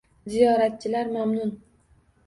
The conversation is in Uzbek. Ziyoratchilar mamnun